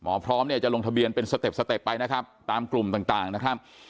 พร้อมเนี่ยจะลงทะเบียนเป็นสเต็ปสเต็ปไปนะครับตามกลุ่มต่างนะครับ